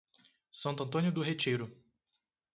Santo Antônio do Retiro